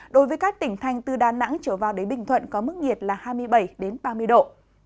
đối với các tỉnh thành từ đà nẵng trở vào đến bình thuận có mức nhiệt là hai mươi bảy ba mươi độ